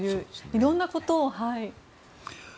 いろんなことをね。